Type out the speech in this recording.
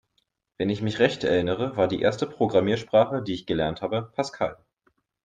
Wenn ich mich recht erinnere, war die erste Programmiersprache, die ich gelernt habe, Pascal.